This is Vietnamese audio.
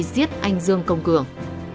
giết anh dương công cường